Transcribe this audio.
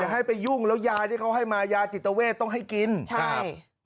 ให้ไปยุ่งแล้วยาที่เขาให้มายาจิตเวทต้องให้กินครับ